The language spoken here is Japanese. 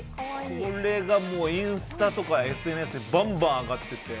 これがインスタとかＳＮＳでバンバン上がってて。